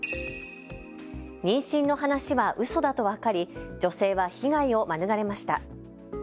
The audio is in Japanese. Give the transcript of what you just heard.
妊娠の話はうそだと分かり女性は被害を免れました。